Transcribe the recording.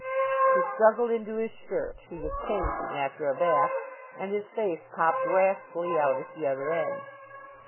He struggled into his shirt he was changing after a bath and his face popped wrathfully out at the other end.